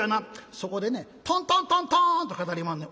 そこでねトントントントンッと語りまんねん。